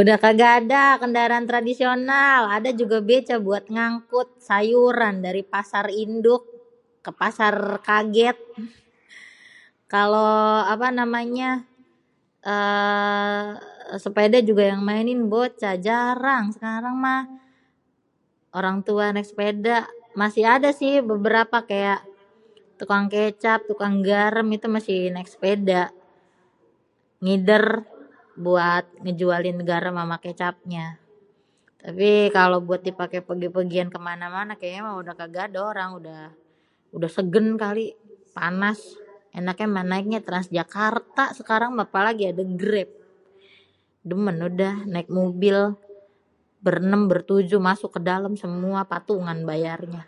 udah kaga ada kendaraan tradisional ada juga béca buat ngangkut sayuran dari pasar induk kepasar kagêt kalo apa namanya êê sepada juga yang maénnin bocah jarang sekarang mah orang tua naik sepeda masi ada si beberapa kaya tukang kecap tukang garem itu masi naik sepeda ngider buat ngejualin garem ama kecapnya tapi kalopun dipake pegi-pegian kemané mané kénya udéh kaga adé orang udéh ségén kali panas enak nyé méh naiknyé transjakarta méh apélagi ada grab démén udéh naik mobil béréném bertujuh masuk kedalém patungan bayarnyéh